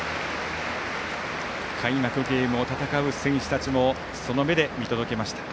開幕ゲームを戦う選手たちもその目で見届けました。